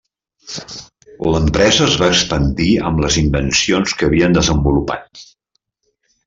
L'empresa es va expandir amb les invencions que havien desenvolupat.